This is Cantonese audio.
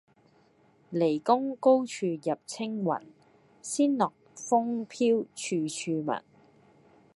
驪宮高處入青云，仙樂風飄處處聞。